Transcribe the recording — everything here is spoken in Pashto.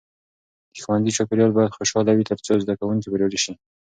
د ښوونځي چاپیریال باید خوشحاله وي ترڅو زده کوونکي بریالي سي.